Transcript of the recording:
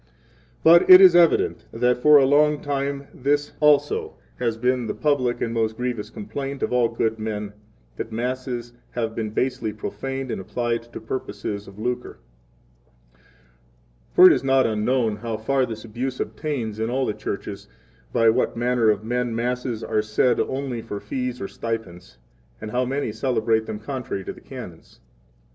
10 But it is evident that for a long time this also has been the public and most grievous complaint of all good men that Masses have been basely profaned and applied to purposes of lucre. 11 For it is not unknown how far this abuse obtains in all the churches by what manner of men Masses are said only for fees or stipends, and how many celebrate them contrary to the Canons.